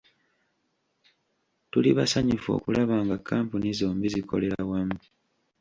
Tuli basanyufu okulaba nga kkampuni zombi zikolera wamu.